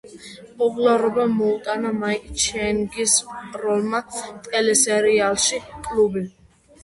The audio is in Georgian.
პოპულარობა მოუტანა მაიკ ჩენგის როლმა ტელესერიალში „კლუბი“.